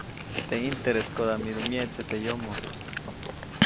Teʼ ʼintereskoda midu myeʼtse teʼ yomoʼ.